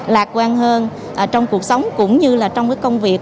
lạc quan hơn trong cuộc sống cũng như là trong cái công việc